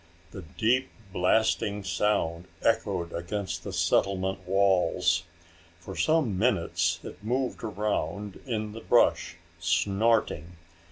The deep blasting sound echoed against the settlement walls. For some minutes it moved around in the brush, snorting.